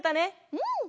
うん！